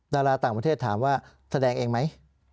ดาราต่างประเทศถามว่าแสดงเองไหม